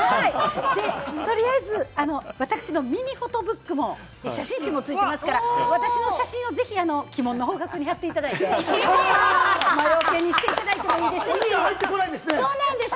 取りあえず、私のミニフォトブックも、写真集も付いていますから、私の写真をぜひ鬼門の方角にはっていただいて、魔よけにしていただいてもいいですし。